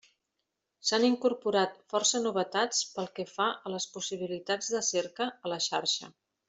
S'han incorporat força novetats pel que fa a les possibilitats de cerca a la xarxa.